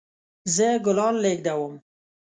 زه ګلان لیږدوم